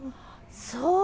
そう。